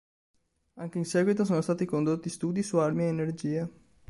Anche in seguito sono stati condotti studi su armi a energia.